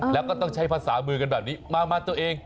แล้วก็ต้องใช้ภาษามือกันแบบนี้มาตัวเอง